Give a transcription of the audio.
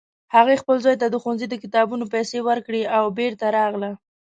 هغې خپل زوی ته د ښوونځي د کتابونو پیسې ورکړې او بیرته راغله